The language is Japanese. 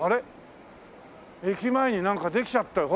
駅前になんかできちゃったよ。